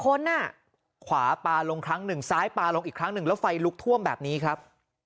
ครองเนอะขวาปาลงทั้ง๑ท้ายปาลงอีกครั้งนึงแล้วไฟลุกท่วมแบบนี้ครับ